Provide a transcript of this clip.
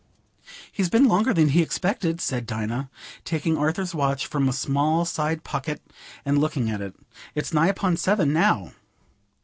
"He's been longer than he expected," said Dinah, taking Arthur's watch from a small side pocket and looking at it; "it's nigh upon seven now."